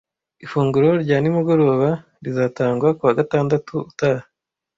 Ifunguro rya nimugoroba rizatangwa kuwa gatandatu utaha.